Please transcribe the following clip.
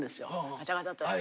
ガチャガチャと。